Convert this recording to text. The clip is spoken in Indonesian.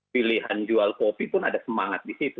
pilihan jual kopi pun ada semangat di situ